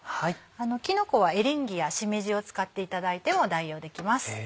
キノコはエリンギやシメジを使っていただいても代用できます。